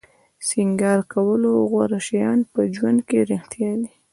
د سینګار کولو غوره شیان په ژوند کې رښتیا دي.